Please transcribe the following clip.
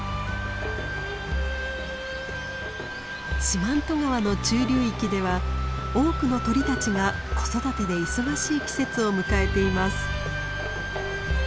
四万十川の中流域では多くの鳥たちが子育てで忙しい季節を迎えています。